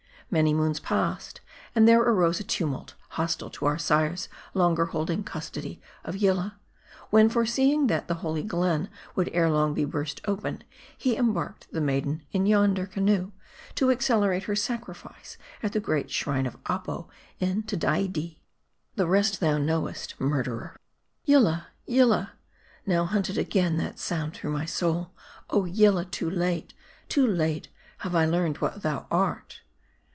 Many moons passed ; and there arose a tumult, hostile to our sire's longer holding custody of Yillah ; when, foreseeing that the holy glen would ere long be burst open, he em barked the maiden in yonder canoe, to accelerate her sacri 354 M A R D I. fice at the great shrine of Apo, in Tedaidee The rest thou knowest, murderer !" y Yillah ! Yillah !" now hunted again that sound through my soul. " Oh, Yillah ! too late, too late have I learned what thou art